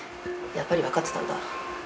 やっぱり分かってたんだ。